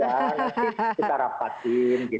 nanti kita rapatin gitu